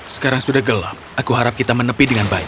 sekarang sudah gelap aku harap kita menepi dengan baik